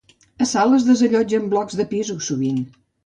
A Salt es desallotgen blocs de pisos sovint.